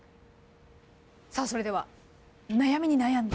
さあそれでは悩みに悩んで。